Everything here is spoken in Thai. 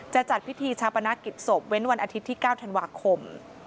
จัดพิธีชาปนกิจศพเว้นวันอาทิตย์ที่๙ธันวาคม